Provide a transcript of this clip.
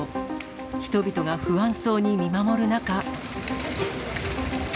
人々が不安そうに見守る中。